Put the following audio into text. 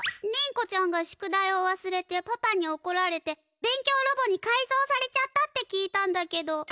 りん子ちゃんが宿題をわすれてパパにおこられて勉強ロボにかいぞうされちゃったって聞いたんだけど。